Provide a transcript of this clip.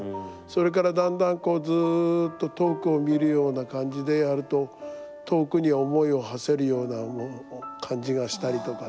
それからだんだんずっと遠くを見るような感じでやると遠くに思いをはせるような感じがしたりとか。